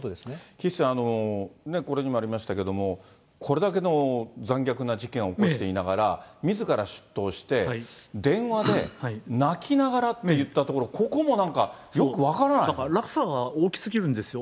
岸さん、これにもありましたけど、これだけの残虐な事件を起こしていながら、みずから出頭して、電話で泣きながらいったところ、落差が大きすぎるんですよ。